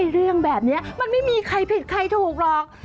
เรื่องแบบนี้มันไม่มีใครผิดใครถูกหรอก